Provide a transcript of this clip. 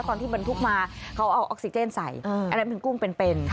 ตอนที่บรรทุกมาเขาเอาออกซิเจนใส่อันนั้นเป็นกุ้งเป็น